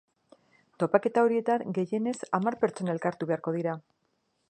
Topaketa horietan gehienez hamar pertsona elkartu beharko dira.